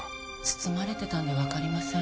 包まれてたんでわかりません。